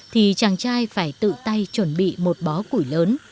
thì chàng trai phải tự tay chuẩn bị một bó củi lớn